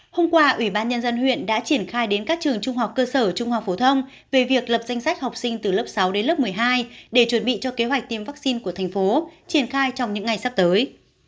hôm qua ủy ban nhân dân huyện đã triển khai đến các trường trung học cơ sở trung học phổ thông về việc lập danh sách học sinh từ lớp sáu đến lớp một mươi hai để chuẩn bị cho kế hoạch tiêm vaccine của thành phố triển khai trong những ngày sắp tới